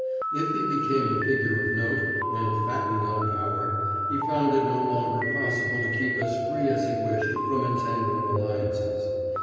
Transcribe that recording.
If he became a figure of note, and fattened on power, he found it no longer possible to keep as free as he wished from entangling alliances.